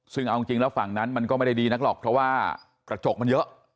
ซึ่งเอาจริงแล้วฝั่งนั้นมันก็ไม่ได้ดีนักหรอกเพราะว่ากระจกมันเยอะ